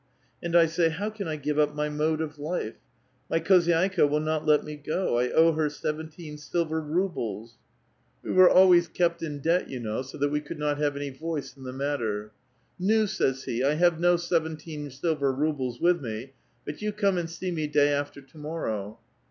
And I say, 'How can I K^ve up my mode of life? My khozydika will not let me go. A owe her seventeen silver rubles.' We were always kept in 2U A VITAL QUESTION. debt, 3*ou know, so that we could not have any voice in the matter. ^NuT says he, 'I have no seventeen silver rubles with mc, but you come and see me day after to morrow.'